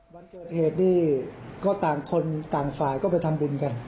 วันเกิดเหตุนี่ก็ต่างคนต่างฝ่ายก็ไปทำบุญกัน